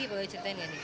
kalau diceritain gak nih